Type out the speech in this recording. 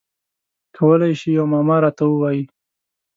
کولای شی یوه معما راته ووایی؟